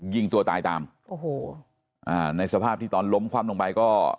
ยิงตัวตายตามในสภาพที่ตอนล้มความลงไปก็